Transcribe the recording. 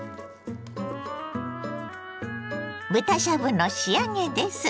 豚しゃぶの仕上げです。